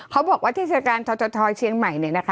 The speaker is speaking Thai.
เขาบอกว่าเทศกาลทเชียงใหม่